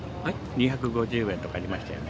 ２５０円とかありましたよね。